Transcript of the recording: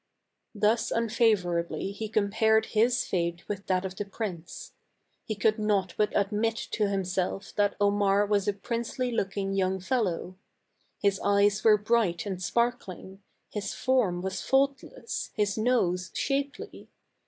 Thus unfavorably he compared his fate with that of the prince. He could not but admit to himself that Omar was a princely looking young fellow. His eyes were bright and sparkling, his form was faultless, his nose shapely.